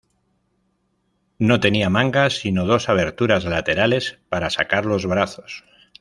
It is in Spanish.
No tenía mangas sino dos aberturas laterales para sacar los brazos.